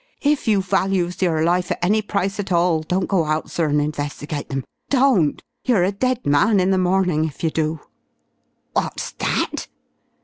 If you values your life at any price at all don't go out, sir, and investigate them. Don't! You're a dead man in the morning if you do." "What's that?"